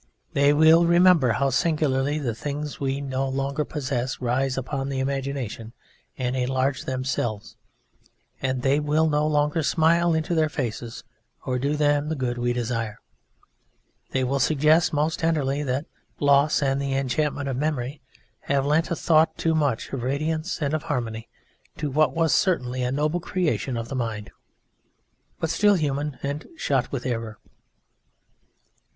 They will remember how singularly the things we no longer possess rise upon the imagination and enlarge themselves, and they will quote that pathetic error whereby the dead become much dearer to us when we can no longer smile into their faces or do them the good we desire. They will suggest (most tenderly) that loss and the enchantment of memory have lent a thought too much of radiance and of harmony to what was certainly a noble creation of the mind, but still human and shot with error.